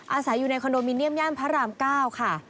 อาศัยอยู่ในคอนโดมิเนียมย่านพระราม๙ค่ะ